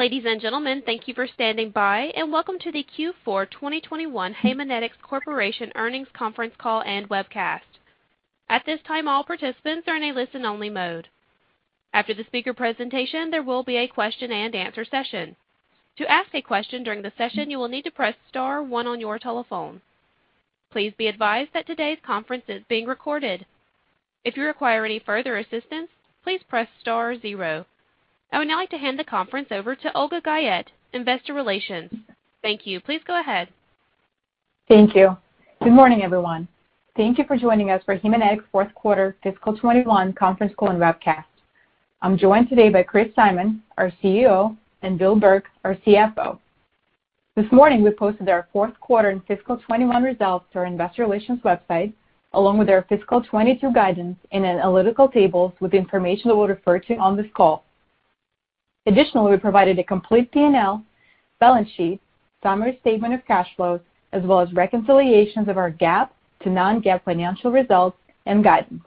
Ladies and gentlemen, thank you for standing by and welcome to the Q4 2021 Haemonetics Corporation earnings conference call and webcast. At this time, all participants are in a listen-only mode. After the speaker presentation, there will be a question and answer session. To ask a question during the session, you will need to press star one on your telephone. Please be advised that today's conference is being recorded. If you require any further assistance, please press star zero. I would now like to hand the conference over to Olga Guyette, Investor Relations. Thank you. Please go ahead. Thank you. Good morning, everyone. Thank you for joining us for Haemonetics' Fourth Quarter Fiscal 2021 Conference Call and Webcast. I'm joined today by Chris Simon, our CEO, and Bill Burke, our CFO. This morning, we posted our fourth quarter and fiscal 2021 results to our investor relations website, along with our fiscal 2022 guidance in analytical tables with information that we'll refer to on this call. Additionally, we provided a complete P&L, balance sheet, summary statement of cash flows, as well as reconciliations of our GAAP to non-GAAP financial results and guidance.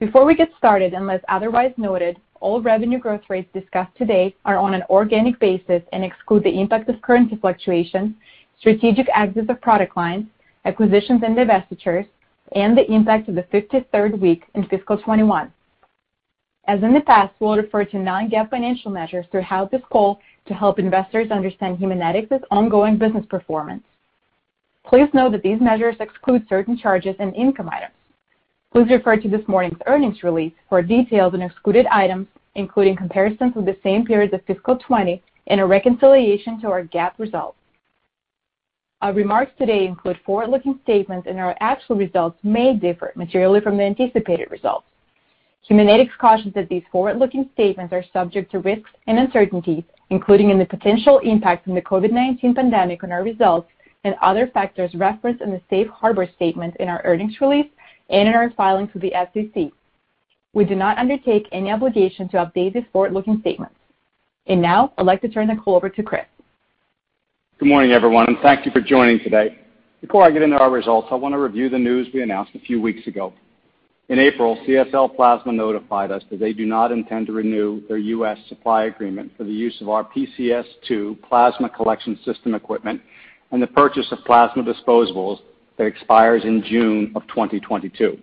Before we get started, unless otherwise noted, all revenue growth rates discussed today are on an organic basis and exclude the impact of currency fluctuation, strategic exits of product lines, acquisitions and divestitures, and the impact of the 53rd week in fiscal 2021. As in the past, we'll refer to non-GAAP financial measures throughout this call to help investors understand Haemonetics' ongoing business performance. Please note that these measures exclude certain charges and income items. Please refer to this morning's earnings release for details on excluded items, including comparisons with the same period of fiscal 2020 and a reconciliation to our GAAP results. Our remarks today include forward-looking statements, our actual results may differ materially from the anticipated results. Haemonetics cautions that these forward-looking statements are subject to risks and uncertainties, including in the potential impact from the COVID-19 pandemic on our results and other factors referenced in the safe harbor statements in our earnings release and in our filings with the SEC. We do not undertake any obligation to update these forward-looking statements. Now, I'd like to turn the call over to Chris. Good morning, everyone, and thank you for joining today. Before I get into our results, I want to review the news we announced a few weeks ago. In April, CSL Plasma notified us that they do not intend to renew their U.S. supply agreement for the use of our PCS2 Plasma Collection System equipment and the purchase of plasma disposables that expires in June of 2022.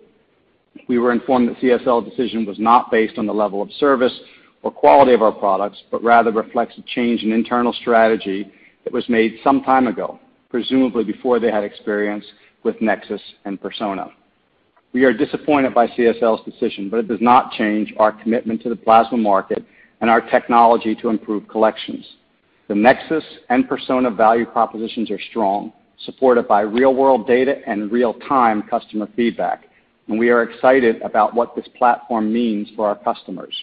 We were informed that CSL's decision was not based on the level of service or quality of our products, but rather reflects a change in internal strategy that was made some time ago, presumably before they had experience with NexSys and Persona. We are disappointed by CSL's decision, but it does not change our commitment to the plasma market and our technology to improve collections. The NexSys and Persona value propositions are strong, supported by real-world data and real-time customer feedback. We are excited about what this platform means for our customers.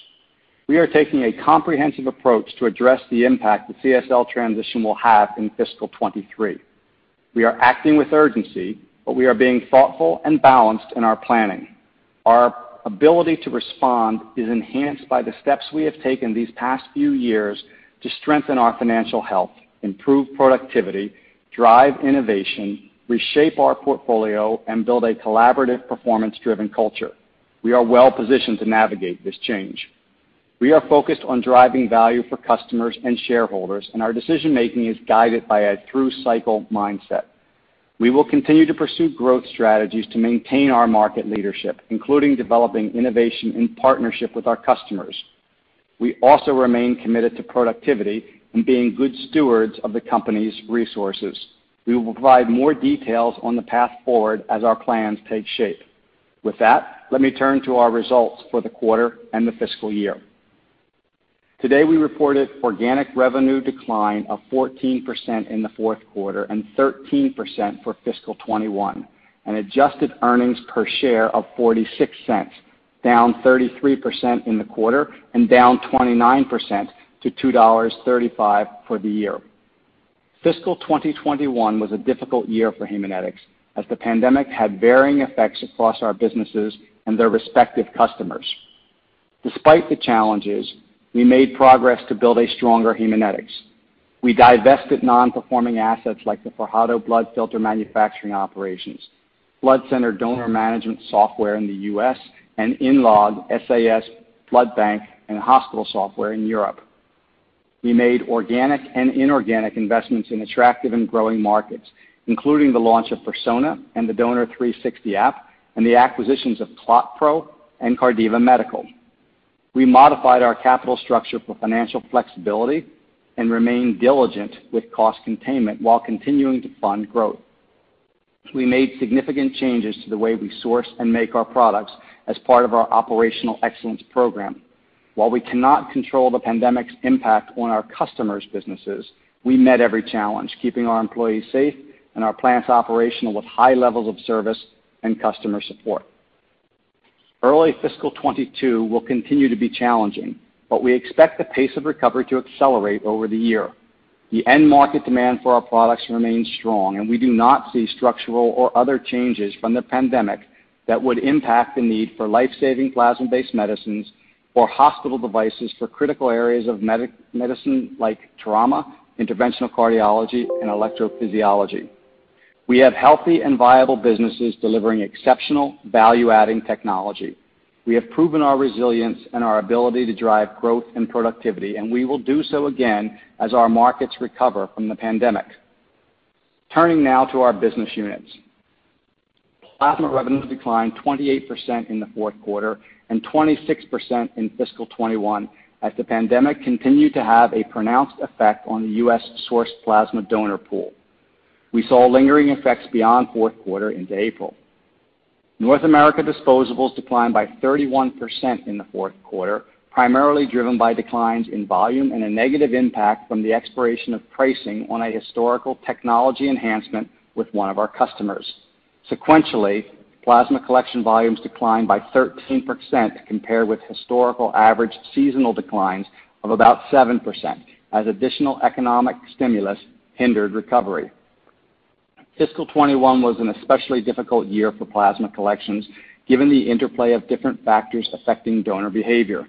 We are taking a comprehensive approach to address the impact the CSL transition will have in fiscal 2023. We are acting with urgency. We are being thoughtful and balanced in our planning. Our ability to respond is enhanced by the steps we have taken these past few years to strengthen our financial health, improve productivity, drive innovation, reshape our portfolio, and build a collaborative, performance-driven culture. We are well positioned to navigate this change. We are focused on driving value for customers and shareholders. Our decision-making is guided by a through-cycle mindset. We will continue to pursue growth strategies to maintain our market leadership, including developing innovation in partnership with our customers. We also remain committed to productivity and being good stewards of the company's resources. We will provide more details on the path forward as our plans take shape. With that, let me turn to our results for the quarter and the fiscal year. Today, we reported organic revenue decline of 14% in the fourth quarter and 13% for fiscal 2021, and adjusted earnings per share of $0.46, down 33% in the quarter and down 29% to $2.35 for the year. Fiscal 2021 was a difficult year for Haemonetics, as the pandemic had varying effects across our businesses and their respective customers. Despite the challenges, we made progress to build a stronger Haemonetics. We divested non-performing assets like the Fajardo blood filter manufacturing operations, blood center donor management software in the U.S., and Inlog SAS blood bank and hospital software in Europe. We made organic and inorganic investments in attractive and growing markets, including the launch of Persona and The Donor360 app, the acquisitions of ClotPro® and Cardiva Medical. We modified our capital structure for financial flexibility and remained diligent with cost containment while continuing to fund growth. We made significant changes to the way we source and make our products as part of our Operational Excellence Program. While we cannot control the pandemic's impact on our customers' businesses, we met every challenge, keeping our employees safe and our plants operational with high levels of service and customer support. Early fiscal 2022 will continue to be challenging, we expect the pace of recovery to accelerate over the year. The end market demand for our products remains strong, and we do not see structural or other changes from the pandemic that would impact the need for life-saving plasma-based medicines or hospital devices for critical areas of medicine like trauma, interventional cardiology, and electrophysiology. We have healthy and viable businesses delivering exceptional value-adding technology. We have proven our resilience and our ability to drive growth and productivity, and we will do so again as our markets recover from the pandemic. Turning now to our business units. Plasma revenues declined 28% in the fourth quarter and 26% in fiscal 2021 as the pandemic continued to have a pronounced effect on the U.S.-sourced plasma donor pool. We saw lingering effects beyond fourth quarter into April. North America disposables declined by 31% in the fourth quarter, primarily driven by declines in volume and a negative impact from the expiration of pricing on a historical technology enhancement with one of our customers. Sequentially, plasma collection volumes declined by 13% compared with historical average seasonal declines of about 7% as additional economic stimulus hindered recovery. Fiscal 2021 was an especially difficult year for plasma collections, given the interplay of different factors affecting donor behavior.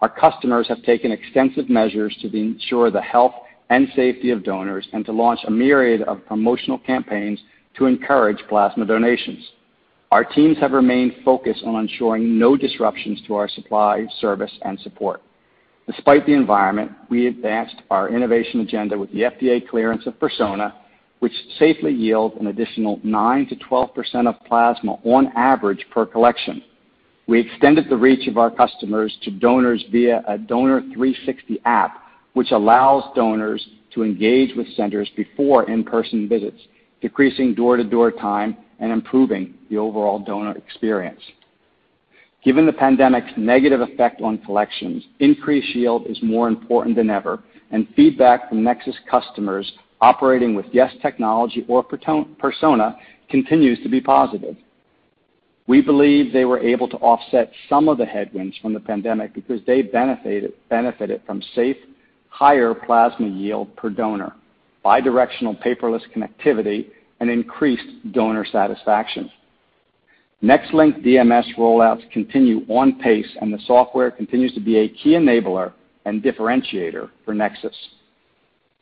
Our customers have taken extensive measures to ensure the health and safety of donors and to launch a myriad of promotional campaigns to encourage plasma donations. Our teams have remained focused on ensuring no disruptions to our supply, service, and support. Despite the environment, we advanced our innovation agenda with the FDA clearance of Persona, which safely yields an additional 9% to 12% of plasma on average per collection. We extended the reach of our customers to donors via a Donor360 app, which allows donors to engage with centers before in-person visits, decreasing door-to-door time and improving the overall donor experience. Given the pandemic's negative effect on collections, increased yield is more important than ever, and feedback from NexSys customers operating with YES Technology or Persona continues to be positive. We believe they were able to offset some of the headwinds from the pandemic because they benefited from safe, higher plasma yield per donor, bi-directional paperless connectivity, and increased donor satisfaction. NexLynk DMS rollouts continue on pace, and the software continues to be a key enabler and differentiator for NexSys.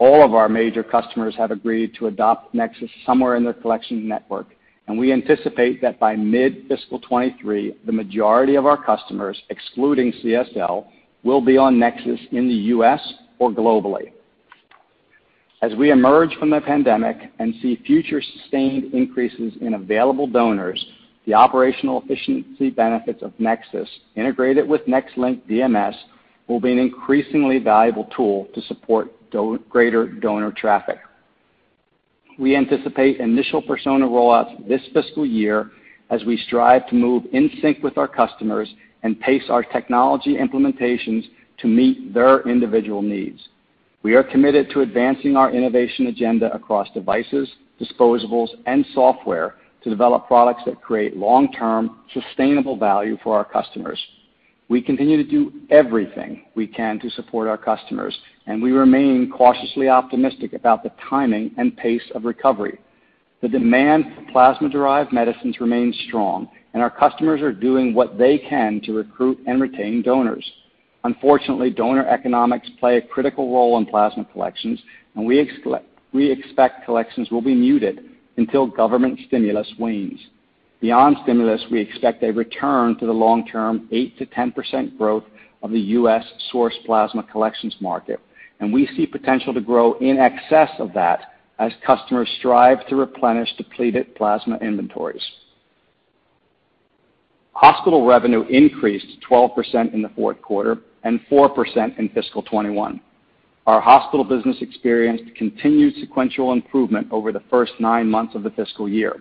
All of our major customers have agreed to adopt NexSys somewhere in their collection network, and we anticipate that by mid-fiscal 2023, the majority of our customers, excluding CSL, will be on NexSys in the U.S. or globally. As we emerge from the pandemic and see future sustained increases in available donors, the operational efficiency benefits of NexSys integrated with NexLynk DMS will be an increasingly valuable tool to support greater donor traffic. We anticipate initial Persona rollouts this fiscal year as we strive to move in sync with our customers and pace our technology implementations to meet their individual needs. We are committed to advancing our innovation agenda across devices, disposables, and software to develop products that create long-term sustainable value for our customers. We continue to do everything we can to support our customers, and we remain cautiously optimistic about the timing and pace of recovery. The demand for plasma-derived medicines remains strong, and our customers are doing what they can to recruit and retain donors. Unfortunately, donor economics play a critical role in plasma collections, and we expect collections will be muted until government stimulus wanes. Beyond stimulus, we expect a return to the long-term 8%-10% growth of the U.S.-sourced plasma collections market, and we see potential to grow in excess of that as customers strive to replenish depleted plasma inventories. Hospital revenue increased 12% in the fourth quarter and 4% in fiscal 2021. Our hospital business experienced continued sequential improvement over the first nine months of the fiscal year.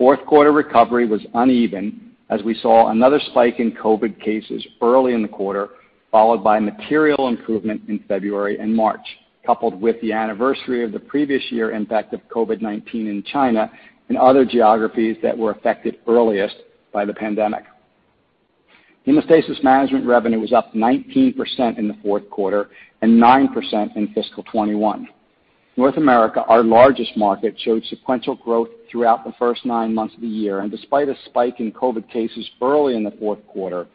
Fourth quarter recovery was uneven as we saw another spike in COVID-19 cases early in the quarter, followed by material improvement in February and March, coupled with the anniversary of the previous year impact of COVID-19 in China and other geographies that were affected earliest by the pandemic. Hemostasis management revenue was up 19% in the fourth quarter and 9% in fiscal 2021. North America, our largest market, showed sequential growth throughout the first nine months of the year, and despite a spike in COVID-19 cases early in the fourth quarter,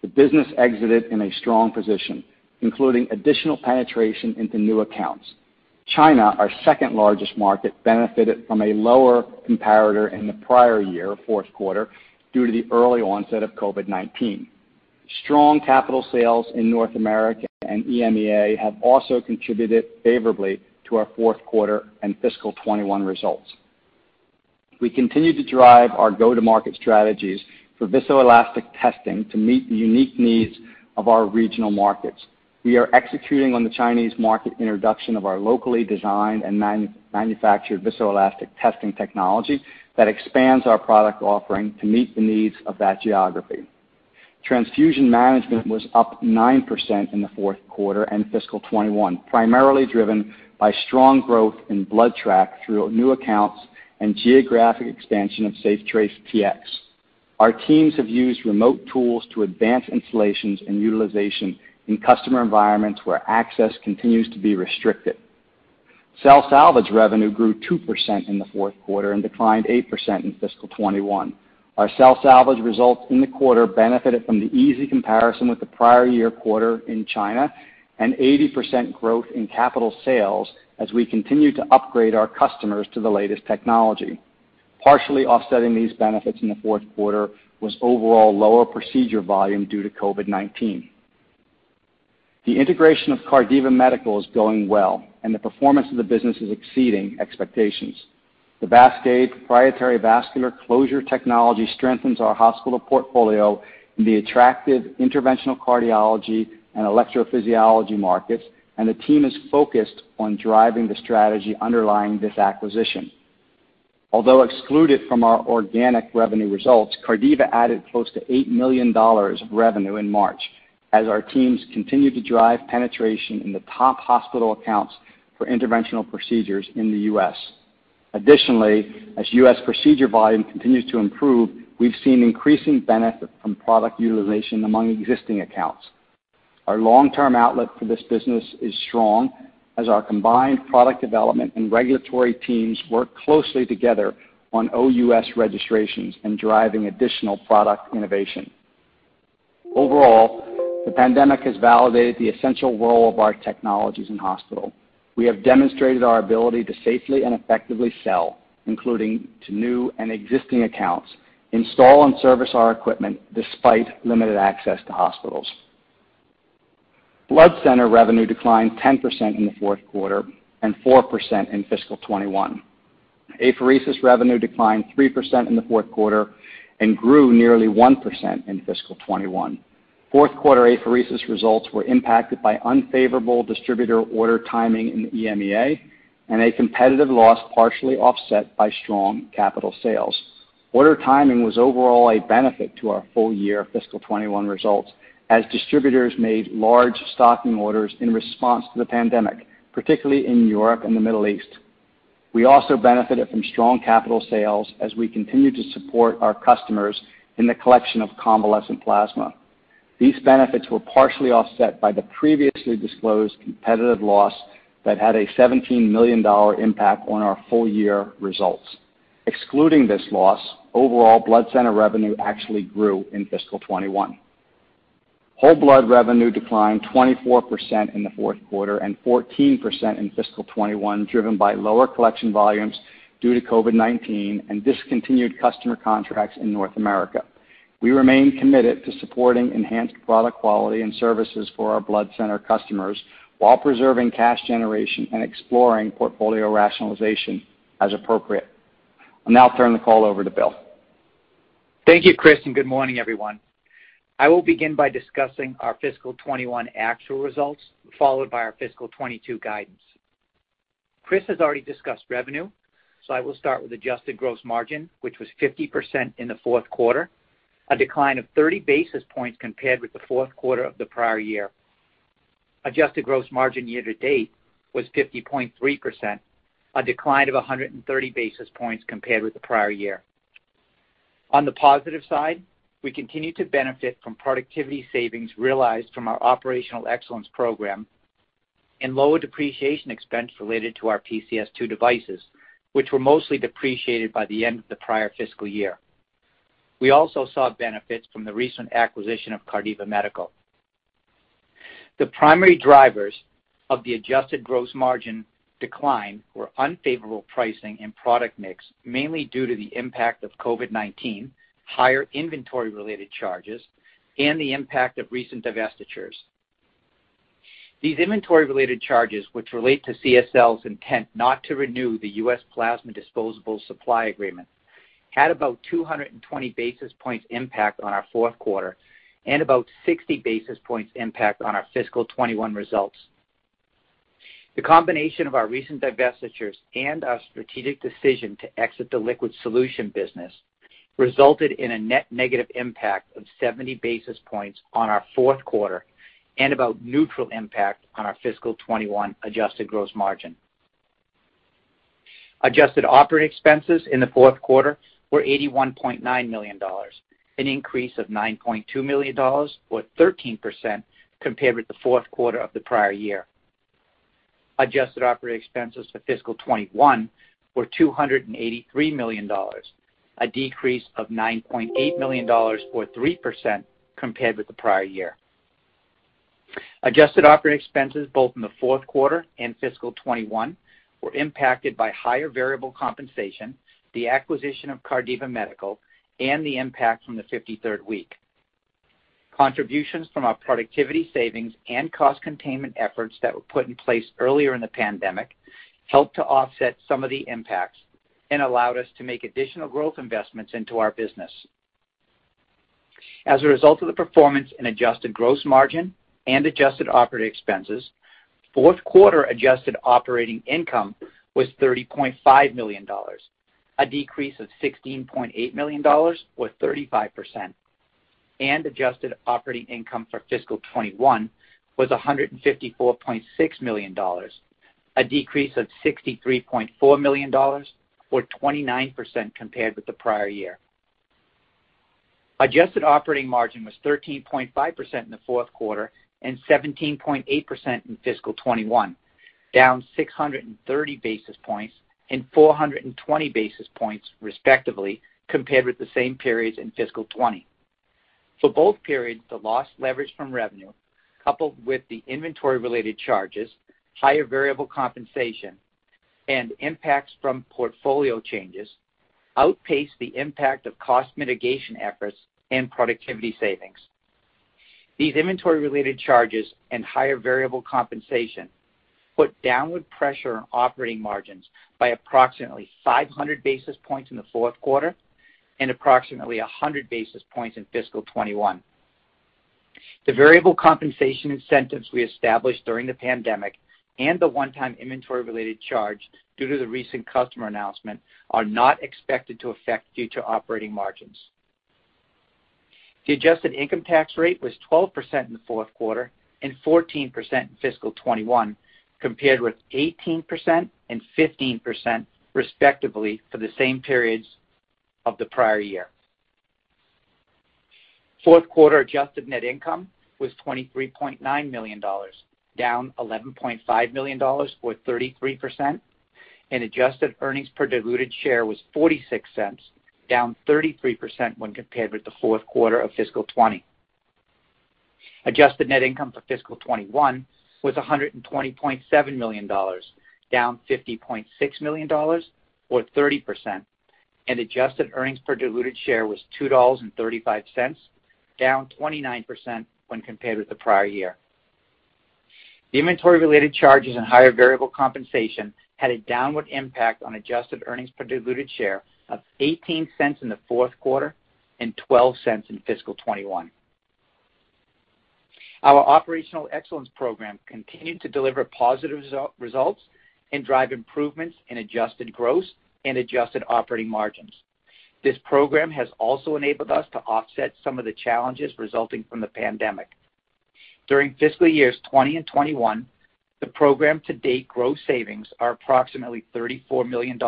the business exited in a strong position, including additional penetration into new accounts. China, our second-largest market, benefited from a lower comparator in the prior year fourth quarter due to the early onset of COVID-19. Strong capital sales in North America and EMEA have also contributed favorably to our fourth quarter and fiscal 2021 results. We continue to drive our go-to-market strategies for viscoelastic testing to meet the unique needs of our regional markets. We are executing on the Chinese market introduction of our locally designed and manufactured viscoelastic testing technology that expands our product offering to meet the needs of that geography. Transfusion management was up 9% in the fourth quarter and fiscal 2021, primarily driven by strong growth in BloodTrack through new accounts and geographic expansion of SafeTrace Tx. Our teams have used remote tools to advance installations and utilization in customer environments where access continues to be restricted. Cell salvage revenue grew 2% in the fourth quarter and declined 8% in fiscal 2021. Our cell salvage results in the quarter benefited from the easy comparison with the prior year quarter in China and 80% growth in capital sales as we continue to upgrade our customers to the latest technology. Partially offsetting these benefits in the fourth quarter was overall lower procedure volume due to COVID-19. The integration of Cardiva Medical is going well, and the performance of the business is exceeding expectations. The VASCADE proprietary vascular closure technology strengthens our hospital portfolio in the attractive interventional cardiology and electrophysiology markets. The team is focused on driving the strategy underlying this acquisition. Although excluded from our organic revenue results, Cardiva added close to $8 million of revenue in March as our teams continue to drive penetration in the top hospital accounts for interventional procedures in the U.S. Additionally, as U.S. procedure volume continues to improve, we've seen increasing benefit from product utilization among existing accounts. Our long-term outlet for this business is strong as our combined product development and regulatory teams work closely together on OUS registrations and driving additional product innovation. Overall, the pandemic has validated the essential role of our technologies in hospital. We have demonstrated our ability to safely and effectively sell, including to new and existing accounts, install and service our equipment despite limited access to hospitals. Blood center revenue declined 10% in the fourth quarter and 4% in fiscal 2021. Apheresis revenue declined 3% in the fourth quarter and grew nearly 1% in fiscal 2021. Fourth quarter apheresis results were impacted by unfavorable distributor order timing in the EMEA and a competitive loss partially offset by strong capital sales. Order timing was overall a benefit to our full year fiscal 2021 results as distributors made large stocking orders in response to the pandemic, particularly in Europe and the Middle East. We also benefited from strong capital sales as we continued to support our customers in the collection of convalescent plasma. These benefits were partially offset by the previously disclosed competitive loss that had a $17 million impact on our full-year results. Excluding this loss, overall blood center revenue actually grew in fiscal 2021. Whole blood revenue declined 24% in the fourth quarter and 14% in fiscal 2021, driven by lower collection volumes due to COVID-19 and discontinued customer contracts in North America. We remain committed to supporting enhanced product quality and services for our blood center customers while preserving cash generation and exploring portfolio rationalization as appropriate. I'll now turn the call over to Bill. Thank you, Chris. Good morning, everyone. I will begin by discussing our fiscal 2021 actual results, followed by our fiscal 2022 guidance. Chris has already discussed revenue, so I will start with adjusted gross margin, which was 50% in the fourth quarter, a decline of 30 basis points compared with the fourth quarter of the prior year. Adjusted gross margin year to date was 50.3%, a decline of 130 basis points compared with the prior year. On the positive side, we continue to benefit from productivity savings realized from our Operational Excellence Program and lower depreciation expense related to our PCS2 devices, which were mostly depreciated by the end of the prior fiscal year. We also saw benefits from the recent acquisition of Cardiva Medical. The primary drivers of the adjusted gross margin decline were unfavorable pricing and product mix, mainly due to the impact of COVID-19, higher inventory-related charges, and the impact of recent divestitures. These inventory-related charges, which relate to CSL's intent not to renew the U.S. plasma disposable supply agreement, had about 220 basis points impact on our fourth quarter and about 60 basis points impact on our fiscal 2021 results. The combination of our recent divestitures and our strategic decision to exit the liquid solutions business resulted in a net negative impact of 70 basis points on our fourth quarter and about neutral impact on our fiscal 2021 adjusted gross margin. Adjusted operating expenses in the fourth quarter were $81.9 million, an increase of $9.2 million or 13% compared with the fourth quarter of the prior year. Adjusted operating expenses for fiscal 2021 were $283 million, a decrease of $9.8 million or 3% compared with the prior year. Adjusted operating expenses both in the fourth quarter and fiscal 2021 were impacted by higher variable compensation, the acquisition of Cardiva Medical, and the impact from the 53rd week. Contributions from our productivity savings and cost containment efforts that were put in place earlier in the pandemic helped to offset some of the impacts and allowed us to make additional growth investments into our business. As a result of the performance in adjusted gross margin and adjusted operating expenses, fourth quarter adjusted operating income was $30.5 million, a decrease of $16.8 million or 35%, and adjusted operating income for fiscal 2021 was $154.6 million, a decrease of $63.4 million or 29% compared with the prior year. Adjusted operating margin was 13.5% in the fourth quarter and 17.8% in fiscal 2021, down 630 basis points and 420 basis points, respectively, compared with the same periods in fiscal 2020. For both periods, the lost leverage from revenue, coupled with the inventory-related charges, higher variable compensation, and impacts from portfolio changes, outpaced the impact of cost mitigation efforts and productivity savings. These inventory-related charges and higher variable compensation put downward pressure on operating margins by approximately 500 basis points in the fourth quarter and approximately 100 basis points in fiscal 2021. The variable compensation incentives we established during the pandemic and the one-time inventory-related charge due to the recent customer announcement are not expected to affect future operating margins. The adjusted income tax rate was 12% in the fourth quarter and 14% in fiscal 2021, compared with 18% and 15%, respectively, for the same periods of the prior year. Fourth quarter adjusted net income was $23.9 million, down $11.5 million, or 33%, and adjusted earnings per diluted share was $0.46, down 33% when compared with the fourth quarter of fiscal 2020. Adjusted net income for fiscal 2021 was $120.7 million, down $50.6 million, or 30%, and adjusted earnings per diluted share was $2.35, down 29% when compared with the prior year. The inventory-related charges and higher variable compensation had a downward impact on adjusted earnings per diluted share of $0.18 in the fourth quarter and $0.12 in fiscal 2021. Our Operational Excellence Program continued to deliver positive results and drive improvements in adjusted gross and adjusted operating margins. This program has also enabled us to offset some of the challenges resulting from the pandemic. During fiscal years 2020 and 2021, the program to date gross savings are approximately $34 million,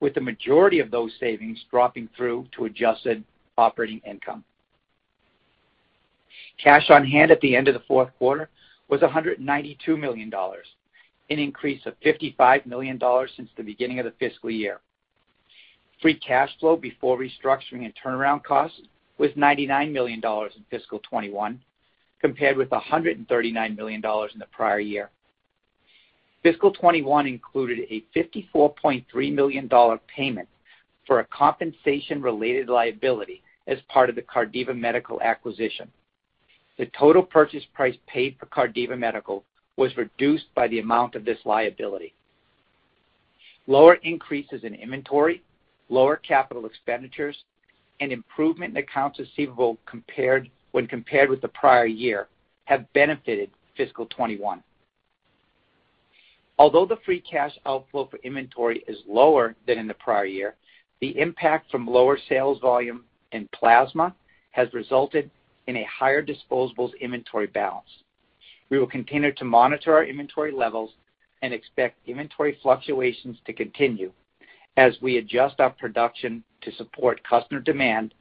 with the majority of those savings dropping through to adjusted operating income. Cash on hand at the end of the fourth quarter was $192 million, an increase of $55 million since the beginning of the fiscal year. Free cash flow before restructuring and turnaround costs was $99 million in fiscal 2021, compared with $139 million in the prior year. Fiscal 2021 included a $54.3 million payment for a compensation-related liability as part of the Cardiva Medical acquisition. The total purchase price paid for Cardiva Medical was reduced by the amount of this liability. Lower increases in inventory, lower capital expenditures, and improvement in accounts receivable when compared with the prior year have benefited fiscal 2021. Although the free cash outflow for inventory is lower than in the prior year, the impact from lower sales volume in plasma has resulted in a higher disposables inventory balance. We will continue to monitor our inventory levels and expect inventory fluctuations to continue as we adjust our production to support customer demand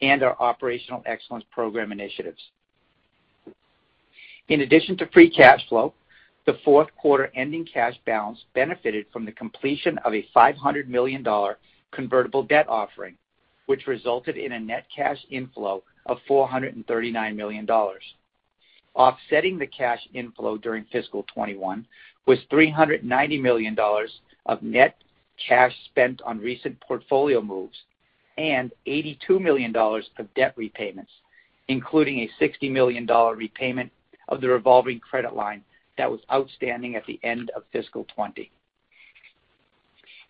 and our Operational Excellence Program initiatives. In addition to free cash flow, the fourth quarter ending cash balance benefited from the completion of a $500 million convertible debt offering, which resulted in a net cash inflow of $439 million. Offsetting the cash inflow during fiscal 2021 was $390 million of net cash spent on recent portfolio moves and $82 million of debt repayments, including a $60 million repayment of the revolving credit line that was outstanding at the end of fiscal 2020.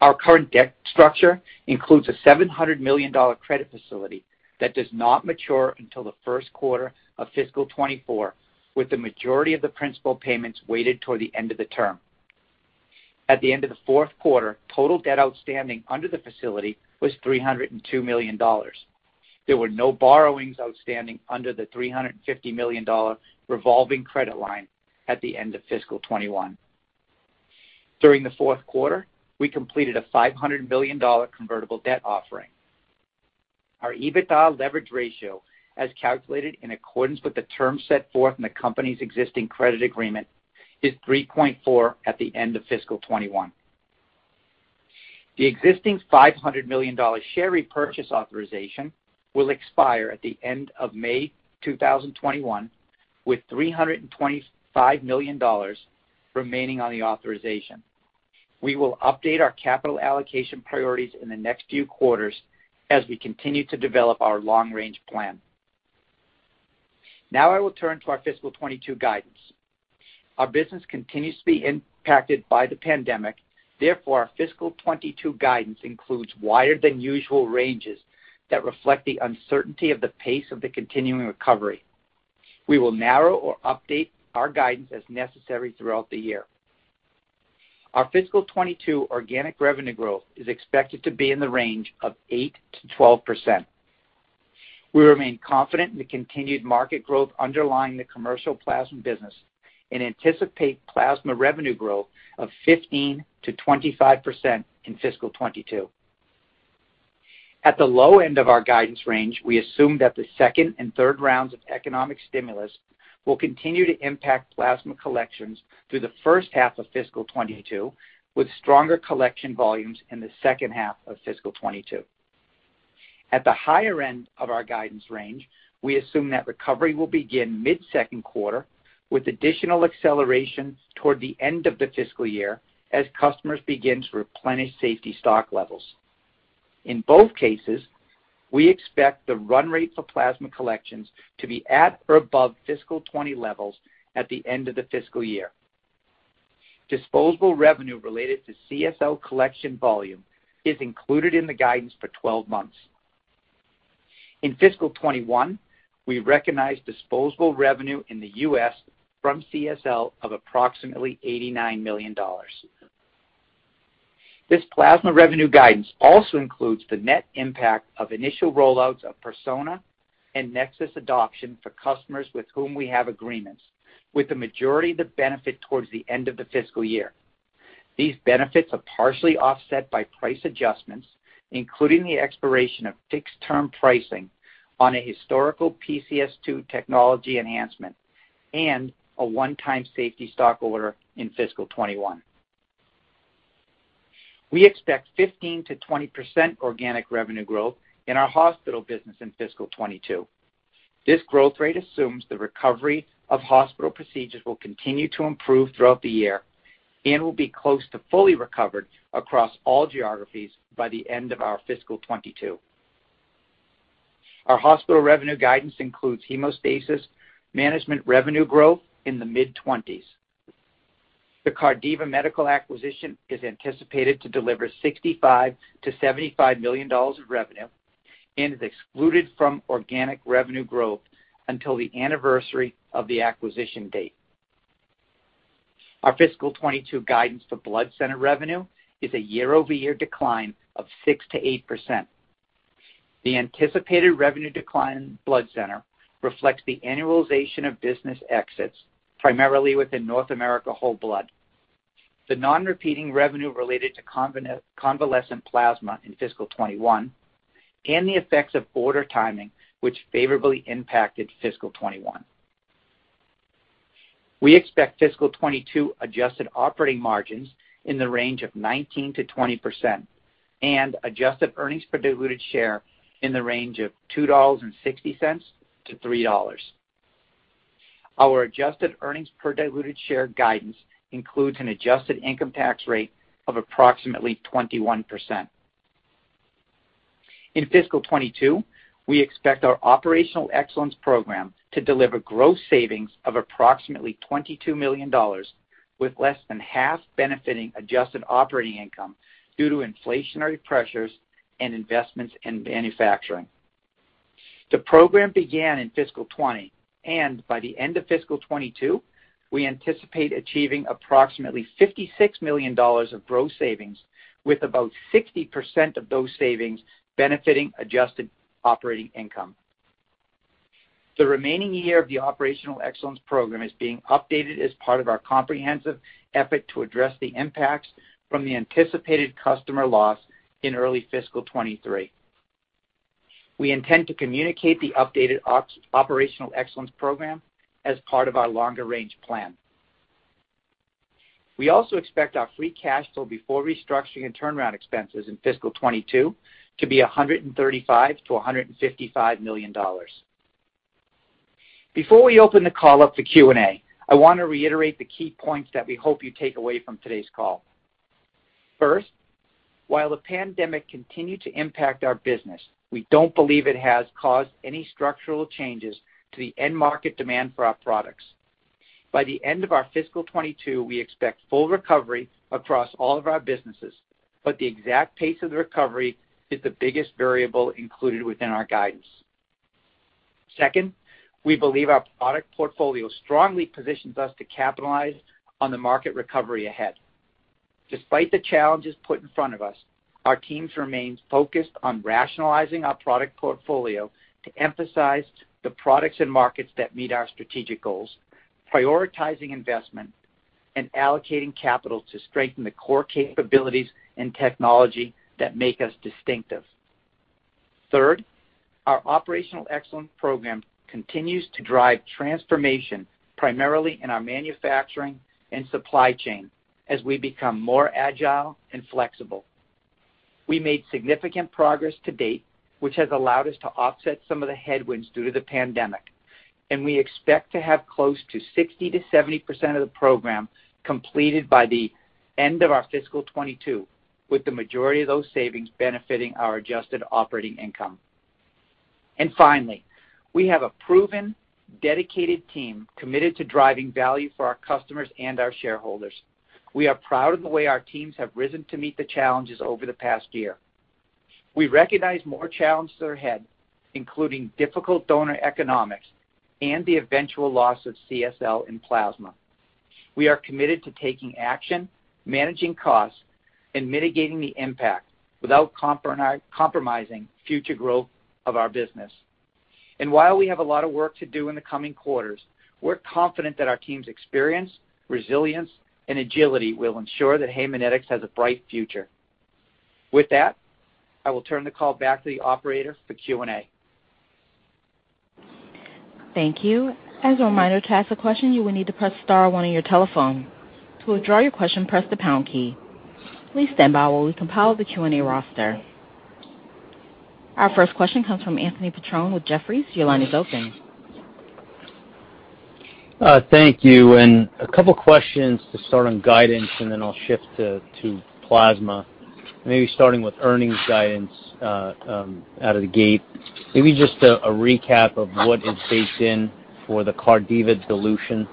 Our current debt structure includes a $700 million credit facility that does not mature until the first quarter of fiscal 2024, with the majority of the principal payments weighted toward the end of the term. At the end of the fourth quarter, total debt outstanding under the facility was $302 million. There were no borrowings outstanding under the $350 million revolving credit line at the end of fiscal 2021. During the fourth quarter, we completed a $500 million convertible debt offering. Our EBITDA leverage ratio, as calculated in accordance with the terms set forth in the company's existing credit agreement, is 3.4x at the end of fiscal 2021. The existing $500 million share repurchase authorization will expire at the end of May 2021, with $325 million remaining on the authorization. We will update our capital allocation priorities in the next few quarters as we continue to develop our long-range plan. Now I will turn to our fiscal 2022 guidance. Our business continues to be impacted by the pandemic. Therefore, our fiscal 2022 guidance includes wider than usual ranges that reflect the uncertainty of the pace of the continuing recovery. We will narrow or update our guidance as necessary throughout the year. Our fiscal 2022 organic revenue growth is expected to be in the range of 8%-12%. We remain confident in the continued market growth underlying the commercial plasma business and anticipate plasma revenue growth of 15%-25% in fiscal 2022. At the low end of our guidance range, we assume that the second and third rounds of economic stimulus will continue to impact plasma collections through the first half of fiscal 2022, with stronger collection volumes in the second half of fiscal 2022. At the higher end of our guidance range, we assume that recovery will begin mid-second quarter, with additional acceleration toward the end of the fiscal year as customers begin to replenish safety stock levels. In both cases, we expect the run rate for plasma collections to be at or above fiscal 2020 levels at the end of the fiscal year. Disposable revenue related to CSL collection volume is included in the guidance for 12 months. In fiscal 2021, we recognized disposable revenue in the U.S. from CSL of approximately $89 million. This plasma revenue guidance also includes the net impact of initial rollouts of Persona and NexSys adoption for customers with whom we have agreements, with the majority of the benefit towards the end of the fiscal year. These benefits are partially offset by price adjustments, including the expiration of fixed-term pricing on a historical PCS2 technology enhancement and a one-time safety stock order in fiscal 2021. We expect 15%-20% organic revenue growth in our hospital business in fiscal 2022. This growth rate assumes the recovery of hospital procedures will continue to improve throughout the year and will be close to fully recovered across all geographies by the end of our fiscal 2022. Our hospital revenue guidance includes hemostasis management revenue growth in the mid-20s. The Cardiva Medical acquisition is anticipated to deliver $65 million-$75 million of revenue and is excluded from organic revenue growth until the anniversary of the acquisition date. Our fiscal 2022 guidance for blood center revenue is a year-over-year decline of 6%-8%. The anticipated revenue decline in blood center reflects the annualization of business exits, primarily within North America whole blood. The non-repeating revenue related to convalescent plasma in fiscal 2021 and the effects of order timing, which favorably impacted fiscal 2021. We expect fiscal 2022 adjusted operating margins in the range of 19%-20% and adjusted earnings per diluted share in the range of $2.60-$3. Our adjusted earnings per diluted share guidance includes an adjusted income tax rate of approximately 21%. In fiscal 2022, we expect our Operational Excellence Program to deliver gross savings of approximately $22 million, with less than half benefiting adjusted operating income due to inflationary pressures and investments in manufacturing. The program began in fiscal 2020, and by the end of fiscal 2022, we anticipate achieving approximately $56 million of gross savings, with about 60% of those savings benefiting adjusted operating income. The remaining year of the Operational Excellence Program is being updated as part of our comprehensive effort to address the impacts from the anticipated customer loss in early fiscal 2023. We intend to communicate the updated Operational Excellence Program as part of our longer-range plan. We also expect our free cash flow before restructuring and turnaround expenses in fiscal 2022 to be $135 million-$155 million. Before we open the call up to Q&A, I want to reiterate the key points that we hope you take away from today's call. First, while the pandemic continued to impact our business, we don't believe it has caused any structural changes to the end market demand for our products. By the end of our fiscal 2022, we expect full recovery across all of our businesses, but the exact pace of the recovery is the biggest variable included within our guidance. Second, we believe our product portfolio strongly positions us to capitalize on the market recovery ahead. Despite the challenges put in front of us, our teams remain focused on rationalizing our product portfolio to emphasize the products and markets that meet our strategic goals, prioritizing investment, and allocating capital to strengthen the core capabilities and technology that make us distinctive. Third, our Operational Excellence Program continues to drive transformation primarily in our manufacturing and supply chain as we become more agile and flexible. We made significant progress to date, which has allowed us to offset some of the headwinds due to the pandemic. We expect to have close to 60%-70% of the program completed by the end of our fiscal 2022, with the majority of those savings benefiting our adjusted operating income. Finally, we have a proven, dedicated team committed to driving value for our customers and our shareholders. We are proud of the way our teams have risen to meet the challenges over the past year. We recognize more challenges are ahead, including difficult donor economics and the eventual loss of CSL in plasma. We are committed to taking action, managing costs, and mitigating the impact without compromising future growth of our business. While we have a lot of work to do in the coming quarters, we're confident that our team's experience, resilience, and agility will ensure that Haemonetics has a bright future. With that, I will turn the call back to the operator for Q&A. Thank you. As a reminder, to ask a question, you will need to press star one on your telephone. To withdraw your question, press the pound key. Please stand by while we compile the Q&A roster. Our first question comes from Anthony Petrone with Jefferies. Your line is open. Thank you. A couple questions to start on guidance, then I'll shift to plasma. Maybe starting with earnings guidance out of the gate. Maybe just a recap of what is baked in for the Cardiva dilution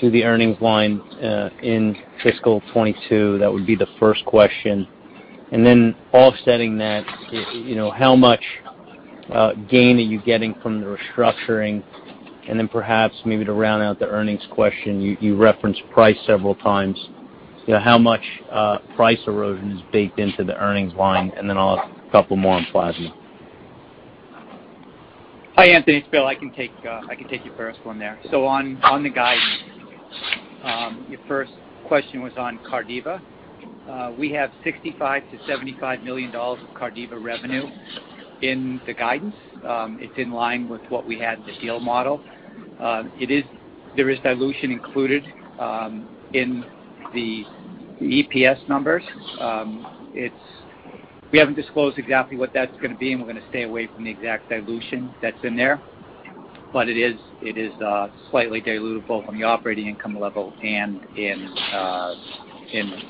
to the earnings line in fiscal 2022. That would be the first question. Offsetting that, how much gain are you getting from the restructuring? Perhaps maybe to round out the earnings question, you referenced price several times. How much price erosion is baked into the earnings line? I'll ask a couple more on plasma. Hi, Anthony. It's Bill. I can take your first one there. On the guidance, your first question was on Cardiva. We have $65 million-$75 million of Cardiva revenue in the guidance. It's in line with what we had in the deal model. There is dilution included in the EPS numbers. We haven't disclosed exactly what that's going to be, and we're going to stay away from the exact dilution that's in there. It is slightly dilutive both from the operating income level and in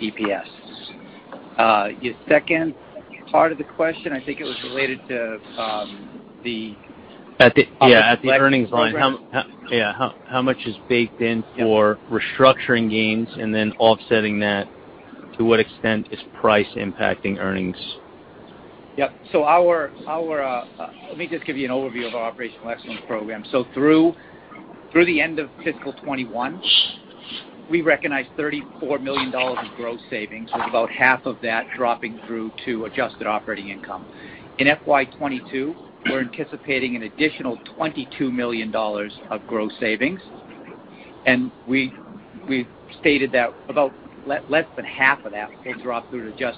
EPS. Your second part of the question, I think it was related to the. Yeah, at the earnings line. How much is baked in for restructuring gains, and then offsetting that, to what extent is price impacting earnings? Yep. Let me just give you an overview of our Operational Excellence Program. Through the end of fiscal 2021, we recognized $34 million in gross savings, with about half of that dropping through to adjusted operating income. In FY 2022, we're anticipating an additional $22 million of gross savings. We've stated that about less than half of that will drop through to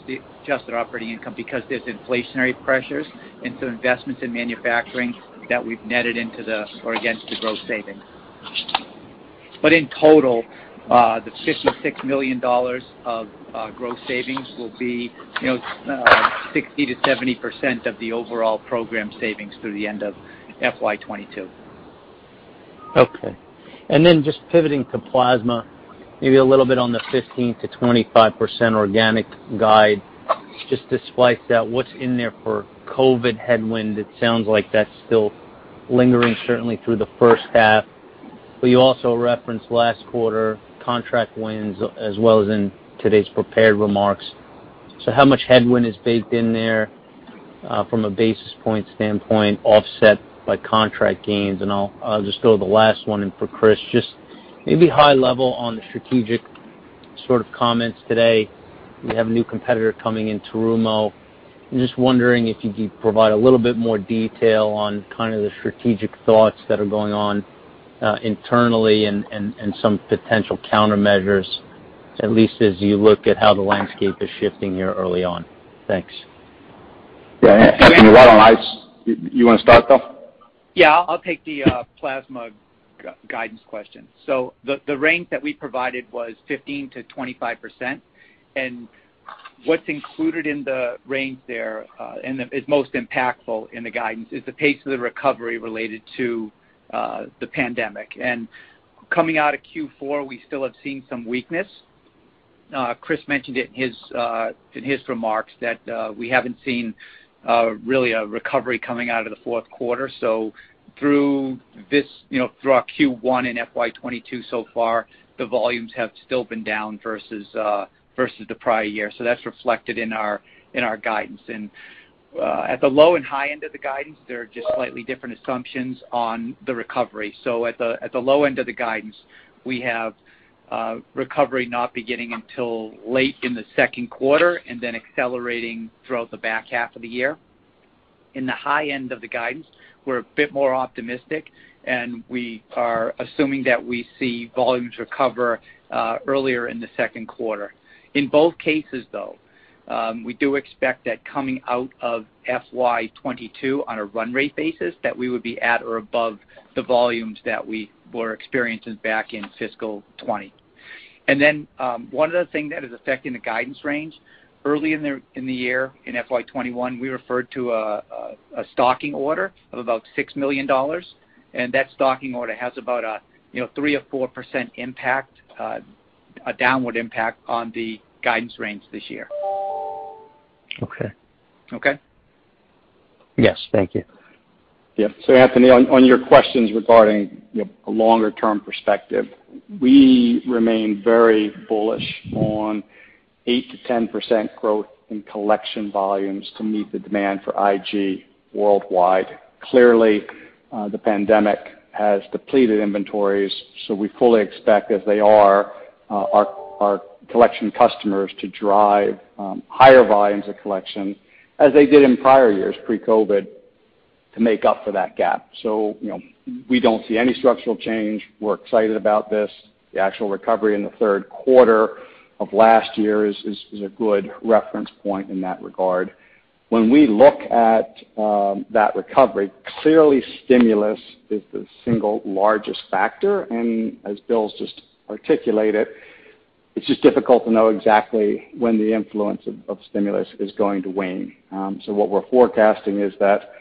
adjusted operating income because there's inflationary pressures and some investments in manufacturing that we've netted against the gross savings. In total, the $56 million of gross savings will be 60%-70% of the overall program savings through the end of FY 2022. Just pivoting to plasma, maybe a little bit on the 15%-25% organic guide. Just to splice that, what's in there for COVID headwind? It sounds like that's still lingering certainly through the first half. You also referenced last quarter contract wins as well as in today's prepared remarks. How much headwind is baked in there from a basis point standpoint offset by contract gains? I'll just go to the last one. For Chris, just maybe high level on the strategic sort of comments today. We have a new competitor coming in, Terumo. I'm just wondering if you could provide a little bit more detail on kind of the strategic thoughts that are going on internally and some potential countermeasures, at least as you look at how the landscape is shifting here early on. Thanks. Yeah. Anthony, you want to start, Bill? Yeah, I'll take the plasma guidance question. The range that we provided was 15%-25%. What's included in the range there and is most impactful in the guidance is the pace of the recovery related to the pandemic. Coming out of Q4, we still have seen some weakness. Chris mentioned it in his remarks that we haven't seen really a recovery coming out of the fourth quarter. Through our Q1 and FY 2022 so far, the volumes have still been down versus the prior year. That's reflected in our guidance. At the low and high end of the guidance, there are just slightly different assumptions on the recovery. At the low end of the guidance, we have recovery not beginning until late in the second quarter and then accelerating throughout the back half of the year. In the high end of the guidance, we're a bit more optimistic, and we are assuming that we see volumes recover earlier in the second quarter. In both cases, though, we do expect that coming out of FY 2022 on a run rate basis, that we would be at or above the volumes that we were experiencing back in fiscal 2020. One other thing that is affecting the guidance range, early in the year in FY 2021, we referred to a stocking order of about $6 million, and that stocking order has about a 3% or 4% impact, a downward impact on the guidance range this year. Okay. Okay? Yes. Thank you. Yeah. Anthony, on your questions regarding a longer-term perspective, we remain very bullish on 8%-10% growth in collection volumes to meet the demand for IG worldwide. Clearly, the pandemic has depleted inventories, so we fully expect, as they are our collection customers, to drive higher volumes of collection as they did in prior years pre-COVID. To make up for that gap. We don't see any structural change. We're excited about this. The actual recovery in the third quarter of last year is a good reference point in that regard. When we look at that recovery, clearly stimulus is the single largest factor, and as Bill just articulated, it's just difficult to know exactly when the influence of stimulus is going to wane. What we're forecasting is that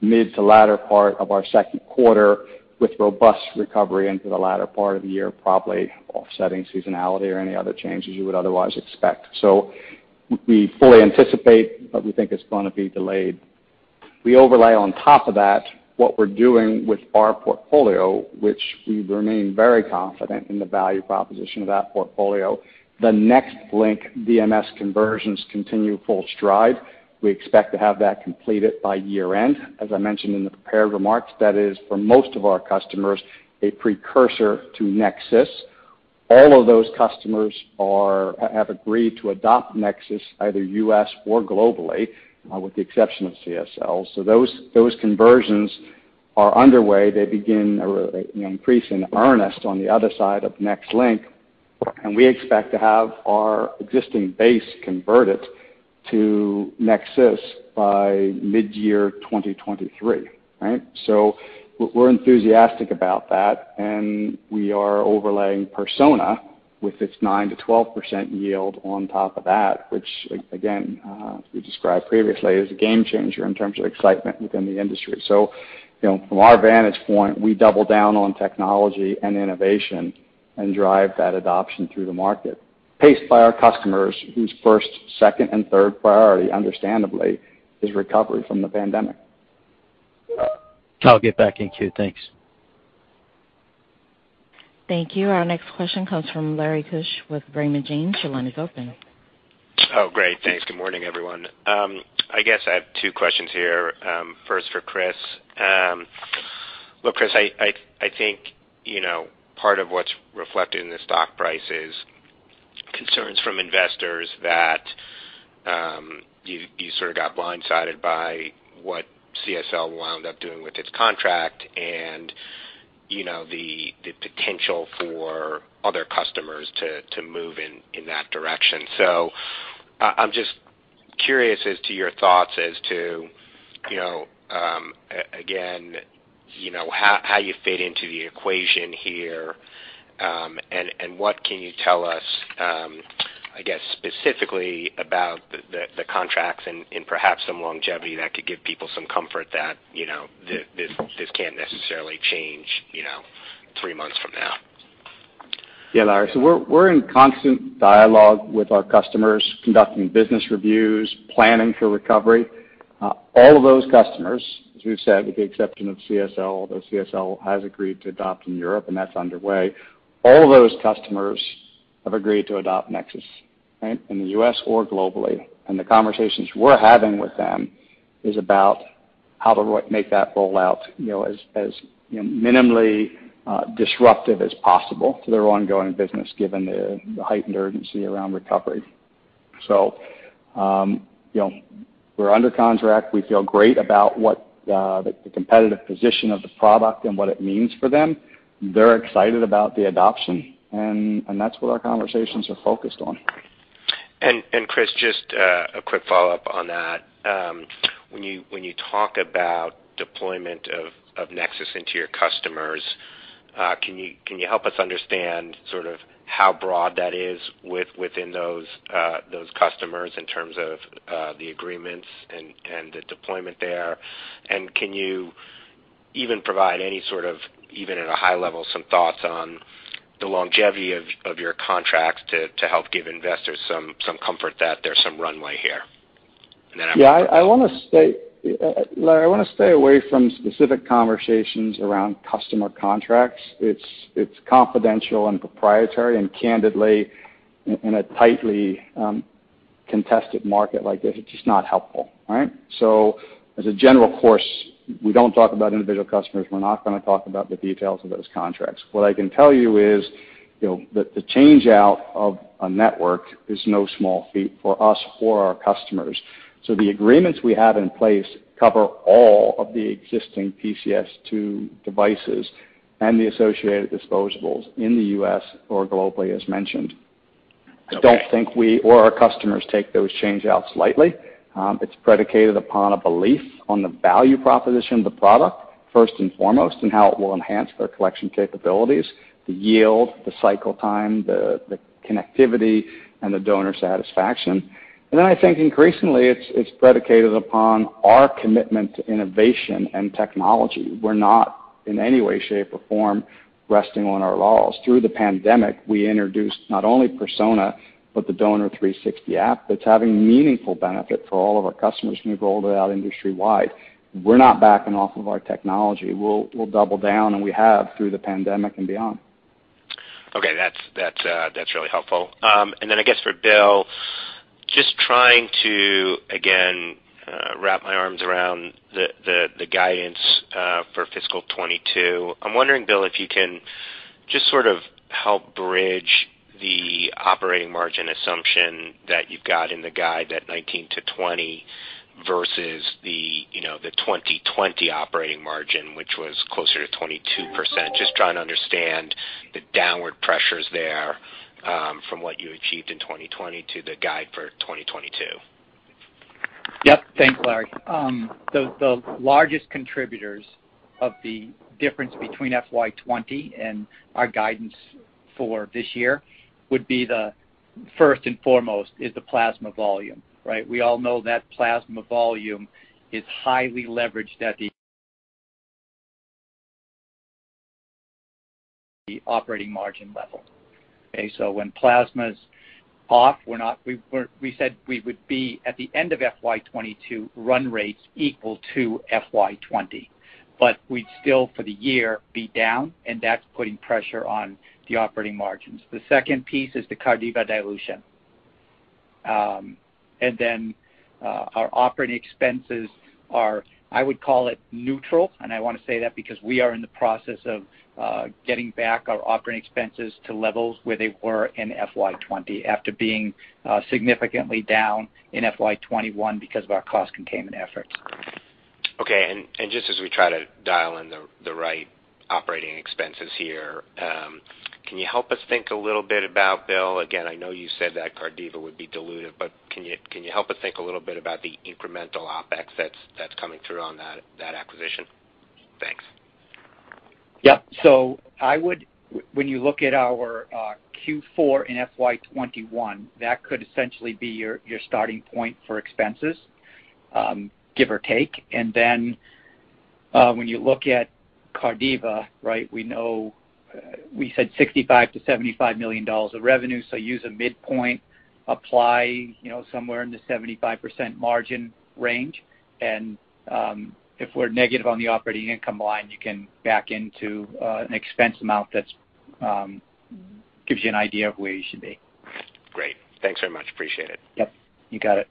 mid to latter part of our second quarter, with robust recovery into the latter part of the year, probably offsetting seasonality or any other changes you would otherwise expect. We fully anticipate, but we think it's going to be delayed. We overlay on top of that what we're doing with our portfolio, which we remain very confident in the value proposition of that portfolio. The NexLynk DMS conversions continue full stride. We expect to have that completed by year-end. As I mentioned in the prepared remarks, that is, for most of our customers, a precursor to NexSys. All of those customers have agreed to adopt NexSys, either U.S. or globally, with the exception of CSL. Those conversions are underway. They begin increase in earnest on the other side of NexLynk, and we expect to have our existing base converted to NexSys by mid-year 2023. We're enthusiastic about that, and we are overlaying Persona with its 9%-12% yield on top of that, which again, as we described previously, is a game changer in terms of excitement within the industry. From our vantage point, we double down on technology and innovation and drive that adoption through the market, paced by our customers, whose first, second, and third priority, understandably, is recovery from the pandemic. I'll get back in queue. Thanks. Thank you. Our next question comes from Larry Keusch with Raymond James. Your line is open. Oh, great. Thanks. Good morning, everyone. I guess I have two questions here. First for Chris. Look, Chris, I think part of what's reflected in the stock price is concerns from investors that you sort of got blindsided by what CSL wound up doing with its contract and the potential for other customers to move in that direction. I'm just curious as to your thoughts as to, again, how you fit into the equation here. What can you tell us, I guess, specifically about the contracts and perhaps some longevity that could give people some comfort that this can't necessarily change three months from now? Yeah, Larry. We're in constant dialogue with our customers, conducting business reviews, planning for recovery. All of those customers, as we've said, with the exception of CSL, although CSL has agreed to adopt in Europe, and that's underway, all of those customers have agreed to adopt NexSys in the U.S. or globally. The conversations we're having with them is about how to make that roll-out as minimally disruptive as possible to their ongoing business, given the heightened urgency around recovery. We're under contract. We feel great about what the competitive position of the product and what it means for them. They're excited about the adoption, and that's what our conversations are focused on. Chris, just a quick follow-up on that. When you talk about deployment of NexSys into your customers, can you help us understand sort of how broad that is within those customers in terms of the agreements and the deployment there? Can you even provide any sort of, even at a high level, some thoughts on the longevity of your contracts to help give investors some comfort that there's some runway here? Yeah, Larry, I want to stay away from specific conversations around customer contracts. It's confidential and proprietary, candidly, in a tightly contested market like this, it's just not helpful. As a general course, we don't talk about individual customers. We're not going to talk about the details of those contracts. What I can tell you is that the changeout of a network is no small feat for us or our customers. The agreements we have in place cover all of the existing PCS2 devices and the associated disposables in the U.S. or globally, as mentioned. Okay. I don't think we or our customers take those changeouts lightly. It's predicated upon a belief on the value proposition of the product, first and foremost, and how it will enhance their collection capabilities, the yield, the cycle time, the connectivity, and the donor satisfaction. I think increasingly, it's predicated upon our commitment to innovation and technology. We're not in any way, shape, or form resting on our laurels. Through the pandemic, we introduced not only Persona, but The Donor360 app that's having meaningful benefit for all of our customers when we rolled it out industry-wide. We're not backing off of our technology. We'll double down, and we have through the pandemic and beyond. Okay. That's really helpful. I guess for Bill, just trying to, again, wrap my arms around the guidance for fiscal 2022. I'm wondering, Bill, just sort of help bridge the operating margin assumption that you've got in the guide at 19%-20% versus the 2020 operating margin, which was closer to 22%. Just trying to understand the downward pressures there, from what you achieved in 2020 to the guide for 2022. Yep. Thanks, Larry. The largest contributors of the difference between FY 2020 and our guidance for this year would be the first and foremost is the plasma volume. Right? We all know that plasma volume is highly leveraged at the operating margin level. Okay? When plasma's off, we said we would be at the end of FY 2022 run rates equal to FY 2020. We'd still, for the year, be down, and that's putting pressure on the operating margins. The second piece is the Cardiva dilution. Our operating expenses are, I would call it, neutral. I want to say that because we are in the process of getting back our operating expenses to levels where they were in FY 2020 after being significantly down in FY 2021 because of our cost containment efforts. Okay. Just as we try to dial in the right operating expenses here, can you help us think a little bit about Bill. Again, I know you said that Cardiva would be dilutive, can you help us think a little bit about the incremental OpEx that's coming through on that acquisition? Thanks. Yep. When you look at our Q4 in FY 2021, that could essentially be your starting point for expenses, give or take. When you look at Cardiva, we said $65 million-$75 million of revenue, so use a midpoint, apply somewhere in the 75% margin range, and if we're negative on the operating income line, you can back into an expense amount that gives you an idea of where you should be. Great. Thanks very much. Appreciate it. Yep. You got it.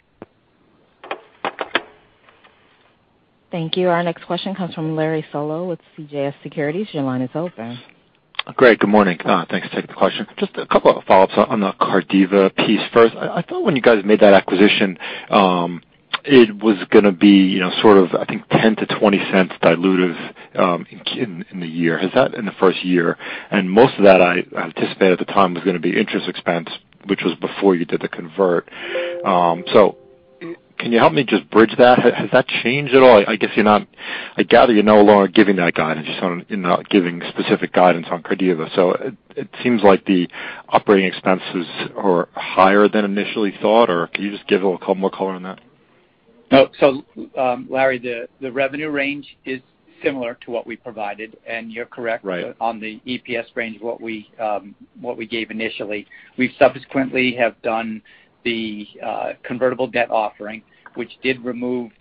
Thank you. Our next question comes from Larry Solow with CJS Securities. Your line is open. Great. Good morning. Thanks. Take the question. Just a couple of follow-ups on the Cardiva piece first. I thought when you guys made that acquisition, it was going to be sort of, I think, $0.10-$0.20 dilutive in the first year. Most of that I anticipate at the time was going to be interest expense, which was before you did the convert. Can you help me just bridge that? Has that changed at all? I gather you're no longer giving that guidance, you're not giving specific guidance on Cardiva. It seems like the operating expenses are higher than initially thought, or can you just give a little more color on that? Larry, the revenue range is similar to what we provided, and you're correct. Right On the EPS range, what we gave initially. We subsequently have done the convertible debt offering, which did remove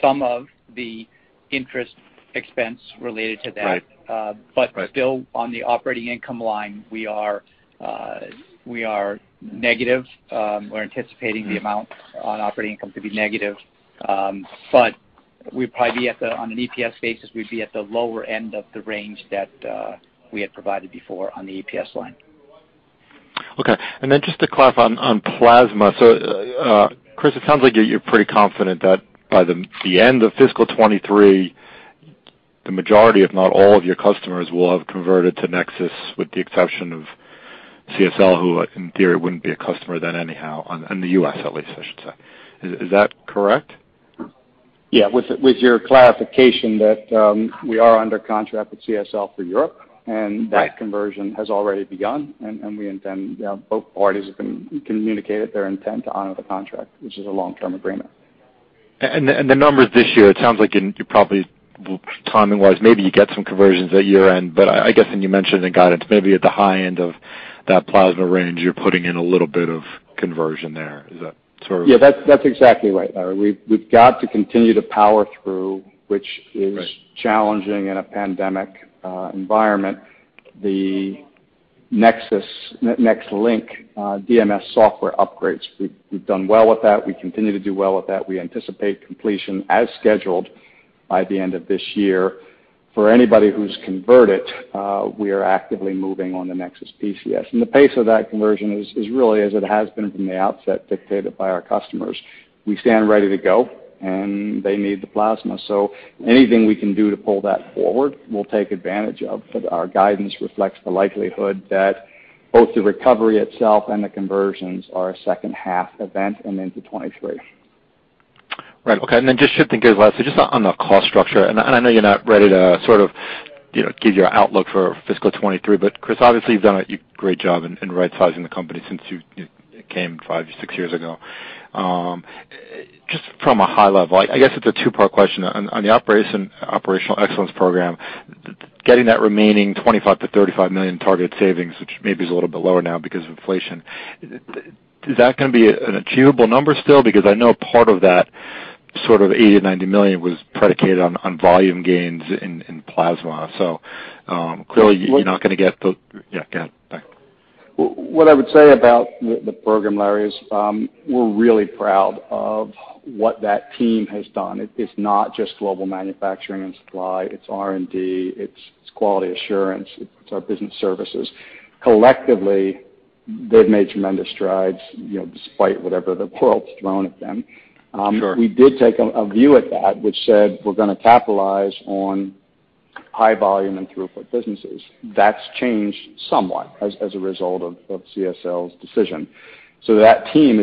some of the interest expense related to that. Right. Still on the operating income line, we are negative. We're anticipating the amount on operating income to be negative. On an EPS basis, we'd be at the lower end of the range that we had provided before on the EPS line. Okay. Just to clarify on plasma. Chris, it sounds like you're pretty confident that by the end of fiscal 2023, the majority, if not all of your customers, will have converted to NexSys with the exception of CSL, who in theory wouldn't be a customer then anyhow, in the U.S. at least, I should say. Is that correct? Yeah. With your clarification that we are under contract with CSL for Europe, and that conversion has already begun, and both parties have communicated their intent to honor the contract, which is a long-term agreement. The numbers this year, it sounds like you probably, timing-wise, maybe you get some conversions at year-end. I guess, and you mentioned in the guidance, maybe at the high end of that plasma range, you're putting in a little bit of conversion there. Is that sort of? Yeah, that's exactly right, Larry. We've got to continue to power through, which is challenging in a pandemic environment. The NexLynk DMS software upgrades, we've done well with that. We continue to do well with that. We anticipate completion as scheduled by the end of this year. For anybody who's converted, we are actively moving on the NexSys PCS. The pace of that conversion is really as it has been from the outset, dictated by our customers. We stand ready to go, and they need the plasma. Anything we can do to pull that forward, we'll take advantage of. Our guidance reflects the likelihood that both the recovery itself and the conversions are a second-half event and into 2023. Right. Okay. Just shifting gears, Larry, just on the cost structure. I know you're not ready to sort of give your outlook for fiscal 2023. Chris, obviously you've done a great job in rightsizing the company since you came five, six years ago. Just from a high level, I guess it's a two-part question. On the Operational Excellence Program, getting that remaining $25 million-$35 million target savings, which maybe is a little bit lower now because of inflation, is that going to be an achievable number still? I know part of that sort of $80 million-$90 million was predicated on volume gains in plasma. Clearly you're not going to get. Yeah, go ahead. What I would say about the program, Larry, is we're really proud of what that team has done. It's not just global manufacturing and supply, it's R&D, it's quality assurance, it's our business services. Collectively, they've made tremendous strides despite whatever the world's thrown at them. Sure. We did take a view at that which said we're going to capitalize on high volume and throughput businesses. That team is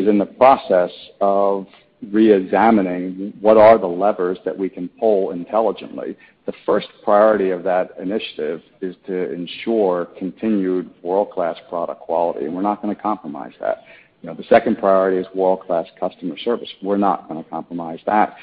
in the process of re-examining what are the levers that we can pull intelligently. The first priority of that initiative is to ensure continued world-class product quality, and we're not going to compromise that. The second priority is world-class customer service. We're not going to compromise that.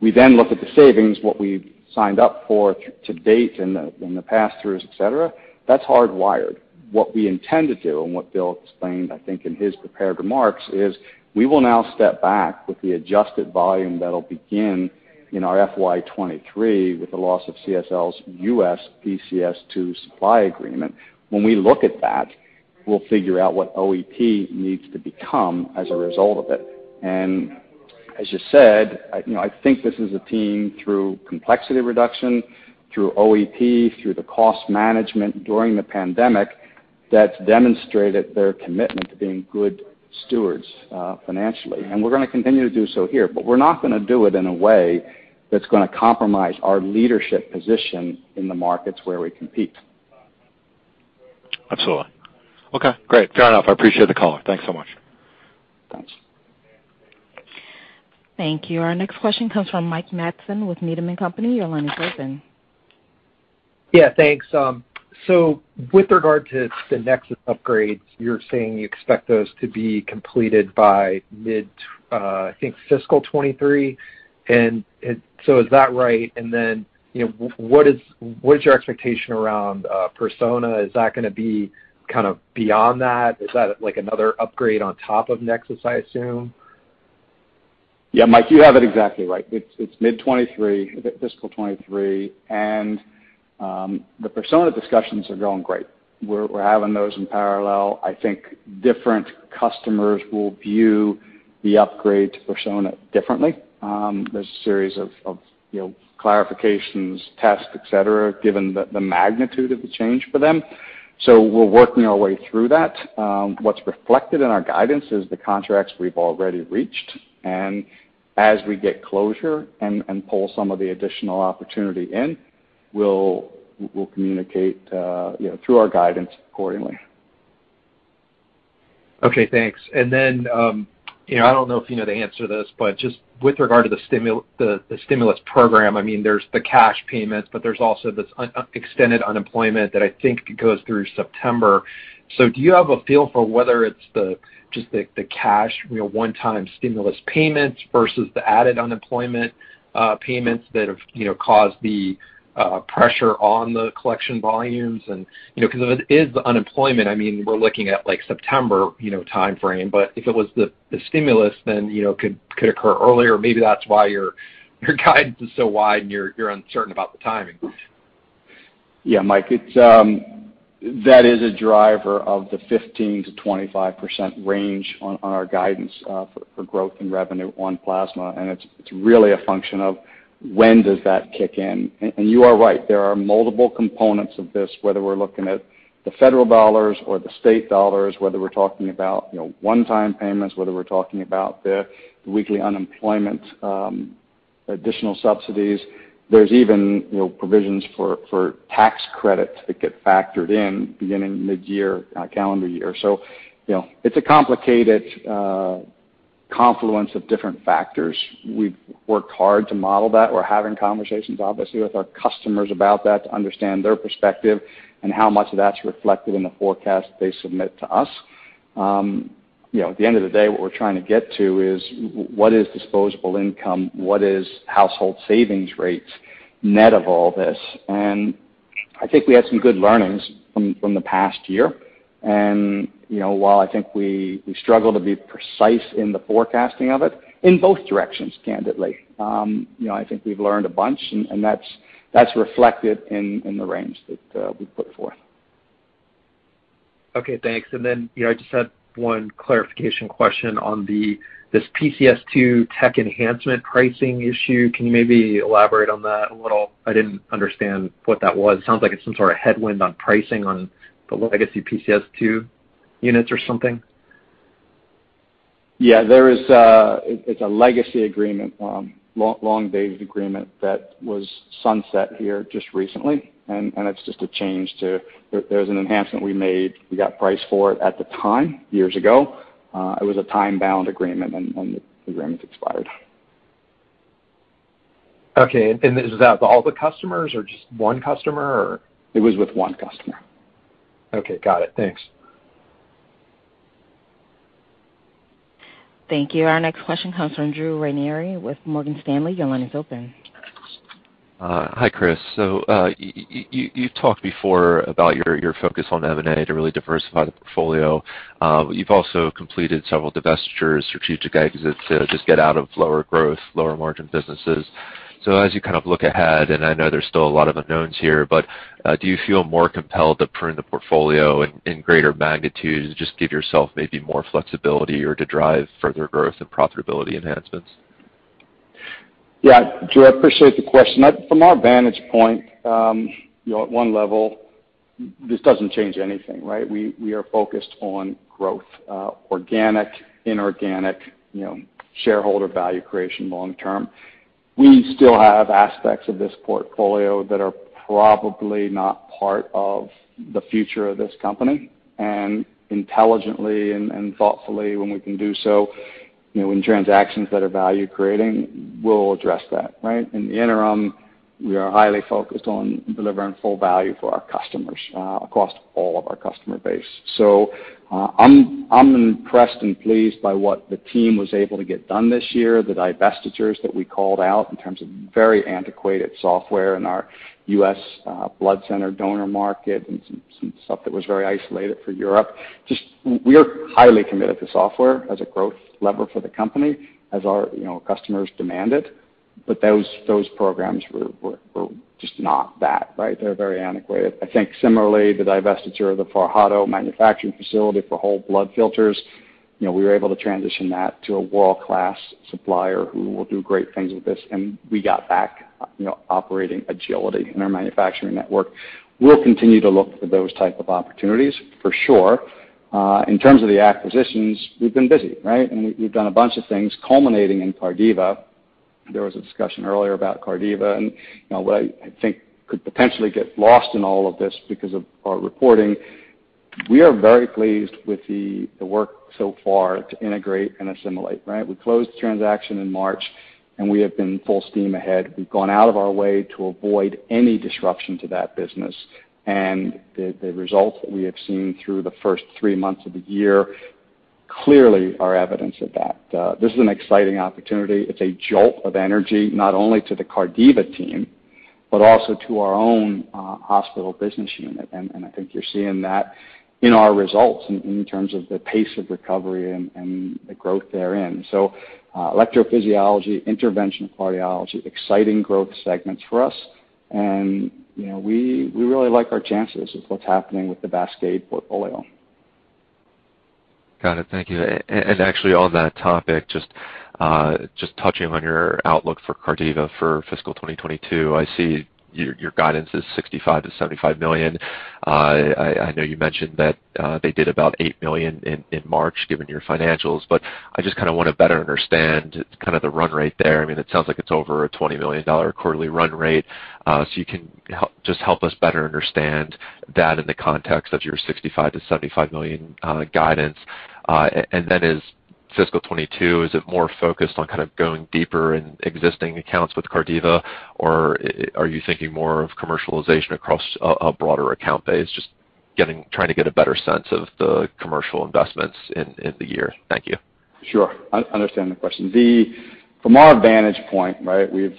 We then look at the savings, what we've signed up for to date in the pass-throughs, et cetera. That's hardwired. What we intend to do and what Bill explained, I think, in his prepared remarks, is we will now step back with the adjusted volume that'll begin in our FY 2023 with the loss of CSL's U.S. PCS2 supply agreement. When we look at that, we'll figure out what OEP needs to become as a result of it. As you said, I think this is a team through complexity reduction, through OEP, through the cost management during the pandemic, that's demonstrated their commitment to being good stewards financially. We're going to continue to do so here, but we're not going to do it in a way that's going to compromise our leadership position in the markets where we compete. Absolutely. Okay, great. Fair enough. I appreciate the call. Thanks so much. Thanks. Thank you. Our next question comes from Mike Matson with Needham & Company. Your line is open. Yeah, thanks. With regard to the NexSys upgrades, you're saying you expect those to be completed by mid, I think, fiscal 2023. Is that right? What is your expectation around Persona? Is that going to be beyond that? Is that another upgrade on top of NexSys, I assume? Yeah, Mike, you have it exactly right. It's mid 2023, fiscal 2023. The Persona discussions are going great. We're having those in parallel. I think different customers will view the upgrade to Persona differently. There's a series of clarifications, tests, et cetera, given the magnitude of the change for them. We're working our way through that. What's reflected in our guidance is the contracts we've already reached. As we get closure and pull some of the additional opportunity in, we'll communicate through our guidance accordingly. Okay, thanks. I don't know if you know the answer to this, but just with regard to the stimulus program, there's the cash payments, but there's also this extended unemployment that I think goes through September. Do you have a feel for whether it's just the cash, one-time stimulus payments versus the added unemployment payments that have caused the pressure on the collection volumes? Because if it is unemployment, we're looking at September timeframe, but if it was the stimulus, then it could occur earlier. Maybe that's why your guidance is so wide, and you're uncertain about the timing. Yeah, Mike, that is a driver of the 15%-25% range on our guidance for growth in revenue on plasma, and it's really a function of when does that kick in. You are right. There are multiple components of this, whether we're looking at the federal dollars or the state dollars, whether we're talking about one-time payments, whether we're talking about the weekly unemployment additional subsidies. There's even provisions for tax credits that get factored in beginning mid-year, calendar year. It's a complicated confluence of different factors. We've worked hard to model that. We're having conversations, obviously, with our customers about that to understand their perspective and how much of that's reflected in the forecast they submit to us. At the end of the day, what we're trying to get to is what is disposable income? What is household savings rates net of all this? I think we had some good learnings from the past year. While I think we struggle to be precise in the forecasting of it, in both directions, candidly, I think we've learned a bunch, and that's reflected in the range that we put forth. Okay, thanks. I just had one clarification question on this PCS2 tech enhancement pricing issue. Can you maybe elaborate on that a little? I didn't understand what that was. It sounds like it's some sort of headwind on pricing on the legacy PCS2 units or something. Yeah, it's a legacy agreement, long-dated agreement that was sunset here just recently. There was an enhancement we made. We got price for it at the time, years ago. It was a time-bound agreement. The agreement expired. Okay. Is that with all the customers or just one customer or? It was with one customer. Okay, got it. Thanks. Thank you. Our next question comes from Drew Ranieri with Morgan Stanley. Your line is open. Hi, Chris. You've talked before about your focus on M&A to really diversify the portfolio. You've also completed several divestitures, strategic exits to just get out of lower growth, lower margin businesses. As you look ahead, and I know there's still a lot of unknowns here, but do you feel more compelled to prune the portfolio in greater magnitudes, just give yourself maybe more flexibility or to drive further growth and profitability enhancements? Yeah, Drew, I appreciate the question. From our vantage point, at one level, this doesn't change anything, right? We are focused on growth, organic, inorganic, shareholder value creation long term. Intelligently and thoughtfully, when we can do so, in transactions that are value creating, we'll address that. Right? In the interim, we are highly focused on delivering full value for our customers across all of our customer base. I'm impressed and pleased by what the team was able to get done this year, the divestitures that we called out in terms of very antiquated software in our U.S. blood center donor market, and some stuff that was very isolated for Europe. Just, we are highly committed to software as a growth lever for the company as our customers demand it. Those programs were just not that, right? They're very antiquated. I think similarly, the divestiture of the Fajardo manufacturing facility for whole blood filters, we were able to transition that to a world-class supplier who will do great things with this, and we got back operating agility in our manufacturing network. We'll continue to look for those type of opportunities for sure. In terms of the acquisitions, we've been busy, right? We've done a bunch of things culminating in Cardiva. There was a discussion earlier about Cardiva and what I think could potentially get lost in all of this because of our reporting. We are very pleased with the work so far to integrate and assimilate, right? We closed the transaction in March, and we have been full steam ahead. We've gone out of our way to avoid any disruption to that business, and the results that we have seen through the first three months of the year clearly are evidence of that. This is an exciting opportunity. It's a jolt of energy, not only to the Cardiva team, but also to our own hospital business unit, and I think you're seeing that in our results in terms of the pace of recovery and the growth therein. Electrophysiology, interventional cardiology, exciting growth segments for us, and we really like our chances with what's happening with the VASCADE portfolio. Got it. Thank you. Actually on that topic, just touching on your outlook for Cardiva for fiscal 2022, I see your guidance is $65 million-$75 million. I know you mentioned that they did about $8 million in March, given your financials, I just want to better understand kind of the run rate there. I mean, it sounds like it's over a $20 million quarterly run rate. You can just help us better understand that in the context of your $65 million-$75 million guidance. As fiscal 2022, is it more focused on kind of going deeper in existing accounts with Cardiva, or are you thinking more of commercialization across a broader account base? Just trying to get a better sense of the commercial investments in the year. Thank you. Sure. I understand the question. From our vantage point, right, we've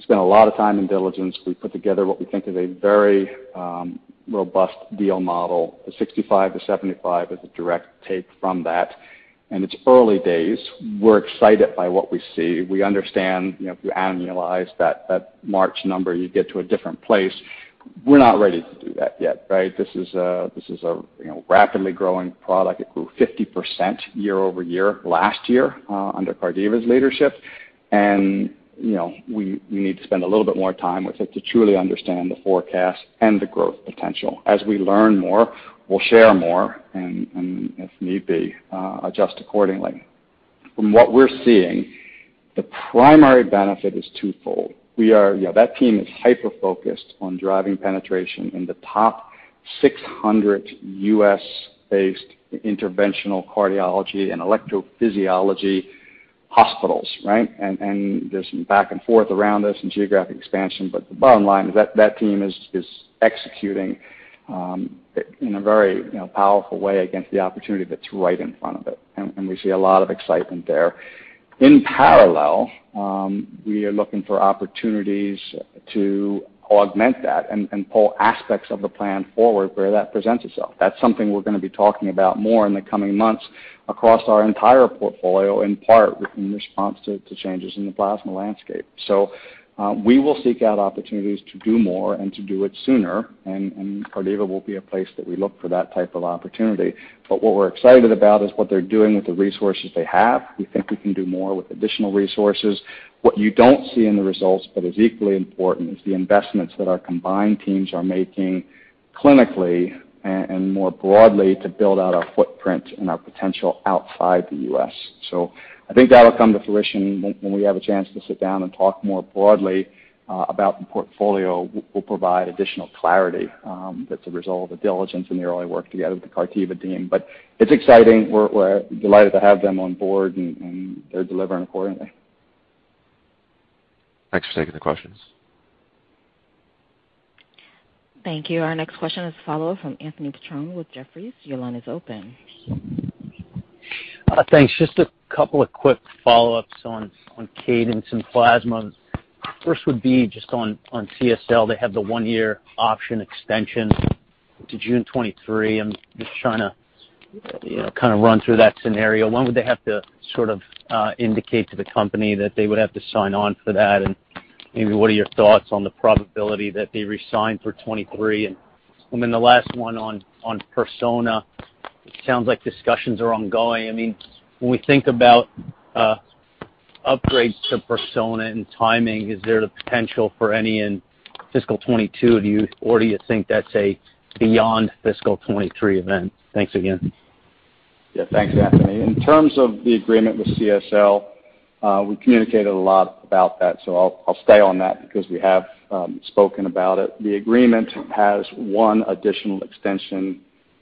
spent a lot of time in diligence. We put together what we think is a very robust deal model. The $65-$75 is a direct take from that, and it's early days. We're excited by what we see. We understand, if you annualize that March number, you get to a different place. We're not ready to do that yet, right? This is a rapidly growing product. It grew 50% year-over-year last year under Cardiva's leadership, and we need to spend a little bit more time with it to truly understand the forecast and the growth potential. As we learn more, we'll share more, and if need be, adjust accordingly. From what we're seeing, the primary benefit is twofold. That team is hyper-focused on driving penetration in the top 600 U.S.-based interventional cardiology and electrophysiology hospitals, right? There's some back and forth around this and geographic expansion. The bottom line is that team is executing in a very powerful way against the opportunity that's right in front of it, and we see a lot of excitement there. In parallel, we are looking for opportunities to augment that and pull aspects of the plan forward where that presents itself. That's something we're going to be talking about more in the coming months across our entire portfolio, in part in response to changes in the plasma landscape. We will seek out opportunities to do more and to do it sooner, and Cardiva will be a place that we look for that type of opportunity. What we're excited about is what they're doing with the resources they have. We think we can do more with additional resources. What you don't see in the results, but is equally important, is the investments that our combined teams are making clinically and more broadly to build out our footprint and our potential outside the U.S. I think that'll come to fruition when we have a chance to sit down and talk more broadly about the portfolio. We'll provide additional clarity that's a result of the diligence and the early work together with the Cardiva team. It's exciting. We're delighted to have them on board, and they're delivering accordingly. Thanks for taking the questions. Thank you. Our next question is a follow-up from Anthony Petrone with Jefferies. Your line is open. Thanks. Just a couple of quick follow-ups on cadence and plasma. First would be just on CSL. They have the one-year option extension To June 2023. I'm just trying to run through that scenario. When would they have to indicate to the company that they would have to sign on for that? Maybe what are your thoughts on the probability that they resign for 2023? Then the last one on Persona. It sounds like discussions are ongoing. When we think about upgrades to Persona and timing, is there the potential for any in fiscal 2022, or do you think that's a beyond fiscal 2023 event? Thanks again. Yeah. Thanks, Anthony. In terms of the agreement with CSL, we communicated a lot about that, so I'll stay on that because we have spoken about it. The agreement has one additional extension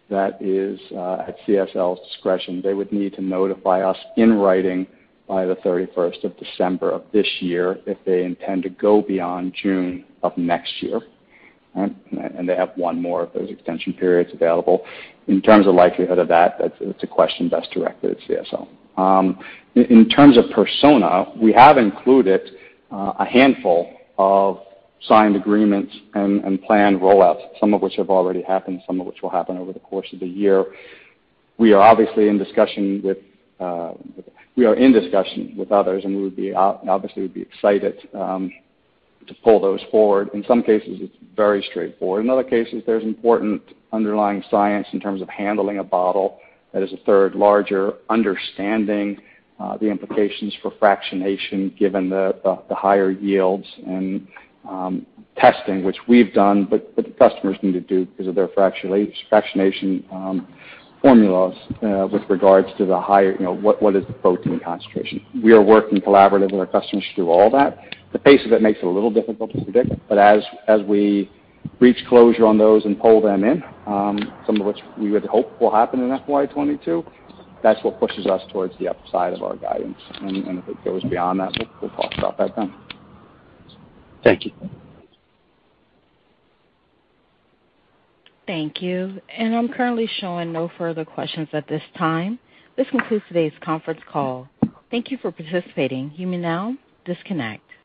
that is at CSL's discretion. They would need to notify us in writing by the 31st of December of this year if they intend to go beyond June of next year. They have one more of those extension periods available. In terms of likelihood of that's a question best directed at CSL. In terms of Persona, we have included a handful of signed agreements and planned rollouts, some of which have already happened, some of which will happen over the course of the year. We are in discussion with others, and we would obviously be excited to pull those forward. In some cases, it's very straightforward. In other cases, there's important underlying science in terms of handling a bottle that is a third larger, understanding the implications for fractionation, given the higher yields, and testing, which we've done, but the customers need to do because of their fractionation formulas with regards to what is the protein concentration. We are working collaboratively with our customers through all that. The pace of it makes it a little difficult to predict, but as we reach closure on those and pull them in, some of which we would hope will happen in FY 2022, that's what pushes us towards the upside of our guidance. If it goes beyond that, we'll talk about that then. Thank you. Thank you. I'm currently showing no further questions at this time. This concludes today's conference call. Thank you for participating. You may now disconnect.